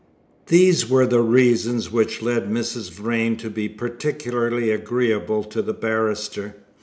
These were the reasons which led Mrs. Vrain to be particularly agreeable to the barrister.